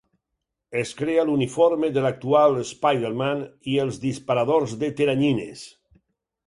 Es crea l'uniforme de l'actual Spiderman i els disparadors de teranyines.